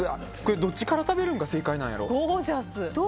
どっちから食べるんが正解なんやろ？